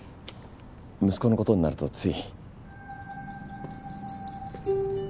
息子のことになるとつい。